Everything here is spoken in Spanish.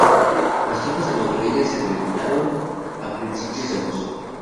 Las tropas salvadoreñas se retiraron a principios de agosto.